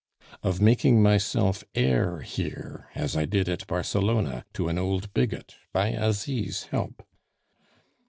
"Of making myself heir here, as I did at Barcelona, to an old bigot, by Asie's help."